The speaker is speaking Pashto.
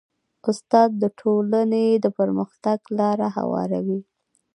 استاد د ټولنې د پرمختګ لاره هواروي.